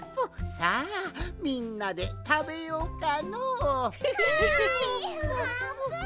さあみんなでたべようかの。わい！